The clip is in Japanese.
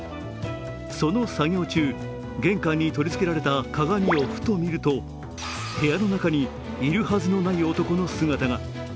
その作業中、玄関に取り付けられた鏡をふと見ると部屋の中にいるはずのない男の姿が。